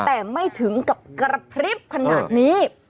แต่ไม่ถึงกับกระพริบขนาดนี้